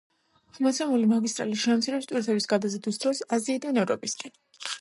მოცემული მაგისტრალი შეამცირებს ტვირთების გადაზიდვის დროს აზიიდან ევროპისკენ.